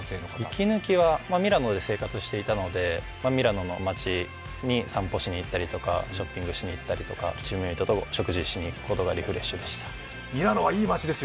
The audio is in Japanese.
息抜きは、ミラノで生活していたのでミラノの街に散歩しに行ったりショッピングしに行ったりとか、チームメートと食事しに行くことがリフレッシュです。